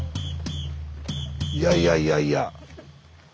いやいやいやいや。